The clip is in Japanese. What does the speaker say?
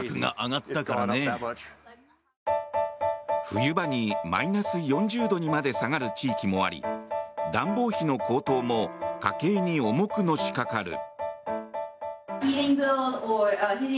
冬場にマイナス４０度にまで下がる地域もあり暖房費の高騰も家計に重くのしかかる。